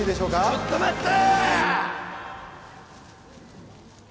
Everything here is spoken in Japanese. ちょっと待った！